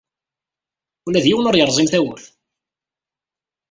Ula d yiwen ur d-yerẓim tawwurt.